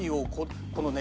このね